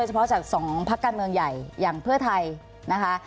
เฉพาะจากสองพักการเมืองใหญ่อย่างเพื่อไทยนะคะ